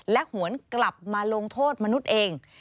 หวนกลับมาลงโทษมนุษย์เอง